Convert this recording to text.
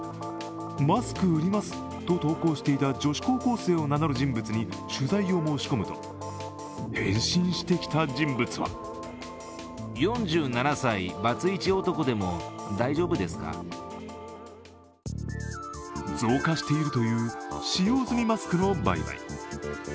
「マスク売ります」と投稿していた女子高校生を名乗る人物に取材を申し込むと、返信してきた人物は増加しているという使用済みマスクの売買。